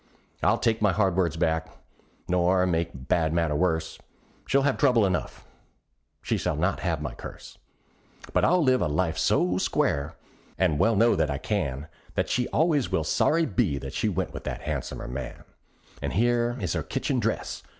I'll take my hard words back, nor make a bad matter worse; She'll have trouble enough; she shall not have my curse; But I'll live a life so square and I well know that I can That she always will sorry be that she went with that han'somer man. Ah, here is her kitchen dress!